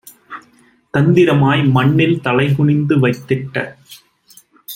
தந்திரமாய் மண்ணில் தலைகுனிந்து வைத்திட்ட